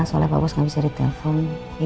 soalnya pak bus gak bisa ditelepon